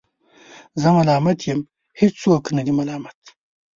زه ملامت یم ، هیڅوک نه دی ملامت